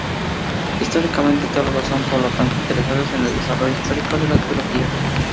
Histórica teólogos son, por lo tanto interesados en el desarrollo histórico de la teología.